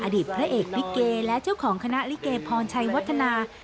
อดีตพระเอกลิเกและเจ้าของคณะลิเกพรชัยวัฒนา